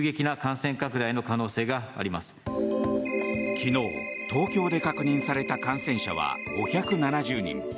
昨日、東京で確認された感染者は５７０人。